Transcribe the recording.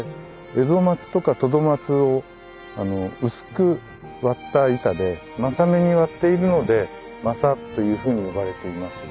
エゾマツとかトドマツを薄く割った板で柾目に割っているので「柾」というふうに呼ばれています。